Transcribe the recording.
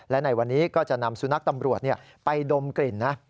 และในวันนี้ก็จะนำสุนัขตำรวจไปดมกลิ่นนะ